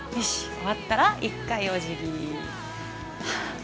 終わったら１回おじぎ。